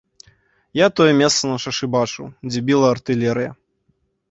Я тое месца на шашы бачыў, дзе біла артылерыя.